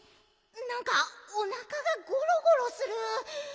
なんかおなかがゴロゴロする。